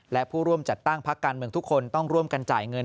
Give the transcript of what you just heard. และผู้ร่วมจัดตั้งพักการเมืองทุกคนต้องร่วมกันจ่ายเงิน